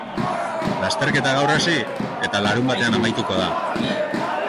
Lasterketa gaur hasi, eta larunbatean amaituko da.